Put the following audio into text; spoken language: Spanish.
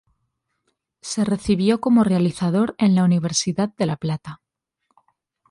Se recibió como realizador en la Universidad de La Plata.